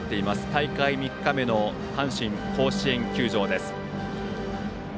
大会３日目の阪神甲子園球場。